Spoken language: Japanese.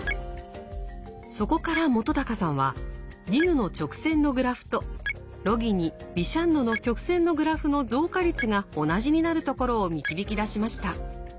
そこから本さんはディヌの直線のグラフとロギニビシャンノの曲線のグラフの増加率が同じになるところを導き出しました。